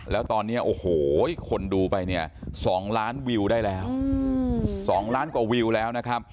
แล้วตอนนี้คนดูไปใน๒ล้านวิวได้แล้ว๒ล้านกว่าวิวแล้ว